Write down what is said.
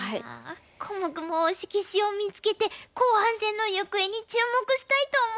コモクも推し棋士を見つけて後半戦の行方に注目したいと思います。